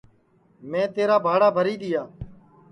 میں تیرا بھاڑا بھری دؔیا